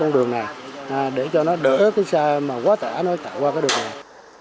nhưng mà quá tải nó tải qua cái đường này